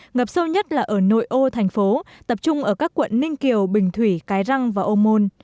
ngập sâu nhất là ở nội ô thành phố tập trung ở các quận ninh kiều bình thủy cái răng và ô môn